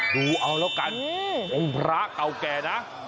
ดูเอาแล้วกันองค์พระเก่าแก่นะ